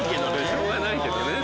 しょうがないけどね。